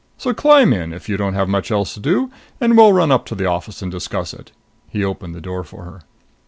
So climb in, if you don't have much else to do, and we'll run up to the office and discuss it." He opened the door for her.